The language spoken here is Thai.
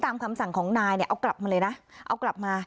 คำสั่งของนายเนี่ยเอากลับมาเลยนะเอากลับมา